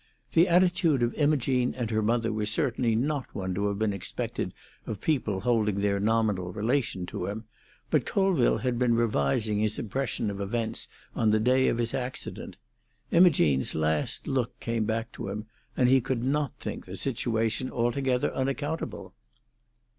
The attitude of Imogene and her mother was certainly not one to have been expected of people holding their nominal relation to him, but Colville had been revising his impressions of events on the day of his accident; Imogene's last look came back to him, and he could not think the situation altogether unaccountable.